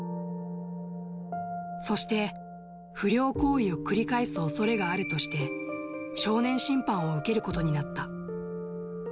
そして、不良行為を繰り返すおそれがあるとして、少年審判を受けることになった。